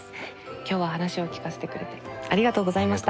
今日は話を聞かせてくれてありがとうございました。